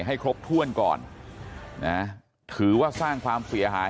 ให้ครบถ้วนก่อนนะถือว่าสร้างความเสียหาย